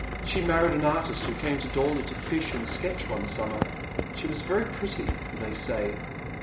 She married an artist who came to Dorley to fish and sketch one summer. She was very pretty, they say."